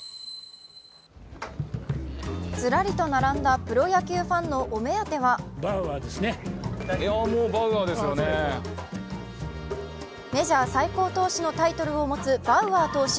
ずらりと並んだプロ野球ファンのお目当てはメジャー最高投手のタイトルを持つバウアー投手。